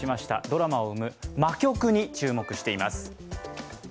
ドラマを生む魔曲に注目しています。